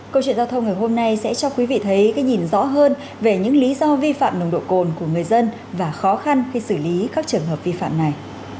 câu chuyện giao thông ngày hôm nay sẽ cho quý vị thấy cái nhìn rõ hơn về những lý do vi phạm nồng độ cồn của người dân và khó khăn khi xử lý các trường hợp vi phạm này